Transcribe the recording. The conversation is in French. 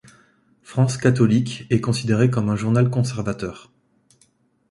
France catholique est considéré comme un journal conservateur.